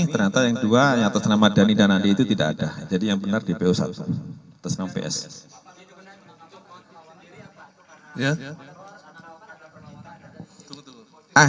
ternyata yang dua yang tersenam adani dan andi itu tidak ada jadi yang benar di bos satu enam ps ya